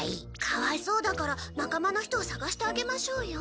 かわいそうだから仲間の人を捜してあげましょうよ。